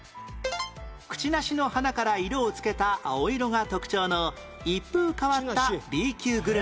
クチナシの花から色をつけた青色が特徴の一風変わった Ｂ 級グルメ